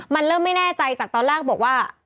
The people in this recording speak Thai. มันเริ่มไม่แน่ใจจากตอนแรกบอกว่า